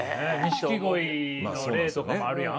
錦鯉の例とかもあるやん？